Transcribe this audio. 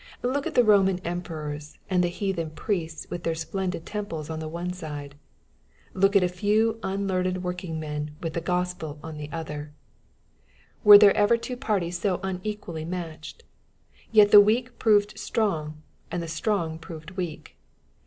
Look at the Roman emperors and the heathen priests with their splendid temples on the one side ! Look at a few unlearned working men with the Gospel on the other 1 Were there ever two parties so unequally matched ? Yet the weak proved strong, and the strong proved weak.